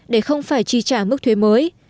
để không phải chi trả mức thuế mới